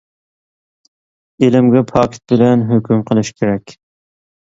ئىلىمگە پاكىت بىلەن ھۆكۈم قىلىش كېرەك.